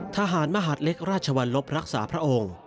ทหารมหาดเล็กราชวรรลบรักษาพระองค์